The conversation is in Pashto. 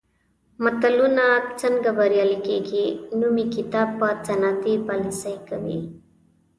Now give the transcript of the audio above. ملتونه څنګه بریالي کېږي؟ نومي کتاب په صنعتي پالېسۍ کوي.